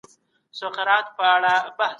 هغوی به بيا په دې موضوع بحث نه کوي.